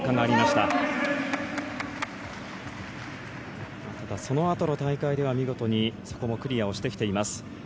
ただ、そのあとの大会では見事にそこもクリアしてきています。